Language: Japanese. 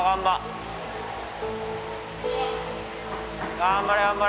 頑張れ頑張れ。